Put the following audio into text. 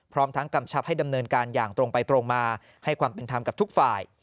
พร้อมทั้งกำชับให้ดำเนินการอย่างตรงไปตรงมาให้ความเป็นธรรมกับทุกฝ่าย